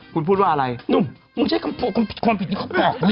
คุณพูดว่าอะไรนุ่มมึงใช้ความผิดความผิดนี้เขาบอกด้วยได้